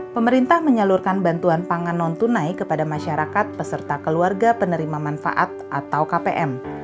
pemerintah menyalurkan bantuan pangan non tunai kepada masyarakat peserta keluarga penerima manfaat atau kpm